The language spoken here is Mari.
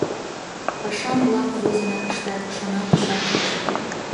«Пашам лап возынак ыштат», — шоналтыш Аркаш.